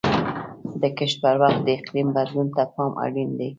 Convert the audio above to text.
د کښت پر وخت د اقلیم بدلون ته پام اړین دی.